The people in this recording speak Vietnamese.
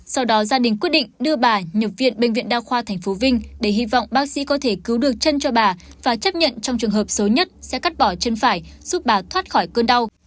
sau đó gia đình quyết định đưa bà nhập viện bệnh viện đa khoa tp vinh để hy vọng bác sĩ có thể cứu được chân cho bà và chấp nhận trong trường hợp xấu nhất sẽ cắt bỏ chân phải giúp bà thoát khỏi cơn đau